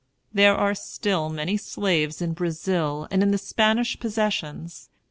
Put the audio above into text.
There are still many slaves in Brazil and in the Spanish possessions.